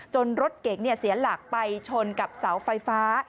รถเก๋งเสียหลักไปชนกับเสาไฟฟ้า